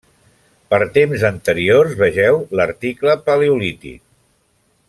Per temps anteriors vegeu l'article paleolític.